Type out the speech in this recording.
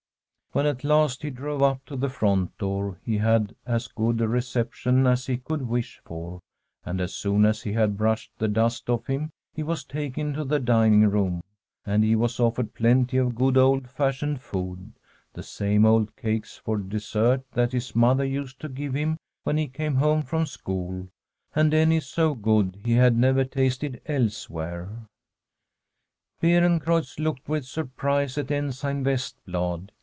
When at last he drove up to the front door he had as good a reception as he could wish for, and as soon as he had brushed the dust ofl him he was taken to the dinine room, and he was offered plenty of good old fashioned food — the same old cakes for dessert that his mother us^d to give him when he came home from school; and any so good he had never tasted elsewhere. Beerencreutz looked with surprise at Ensign Vestblad.